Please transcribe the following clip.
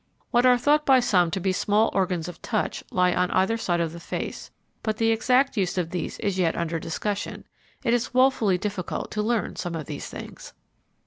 What are thought by some to be small organs of touch lie on either side the face, but the exact use of these is yet under discussion, It is wofully difficult to learn some of these things.